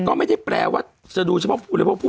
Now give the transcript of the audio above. ก็ไม่ได้แปลว่าใช่ดูเฉพาะกับพวกผู้